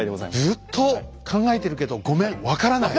ずっと考えてるけど分かんない？